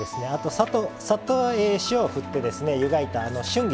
サッと塩をふって湯がいた春菊